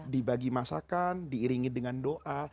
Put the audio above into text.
dibagi masakan diiringi dengan doa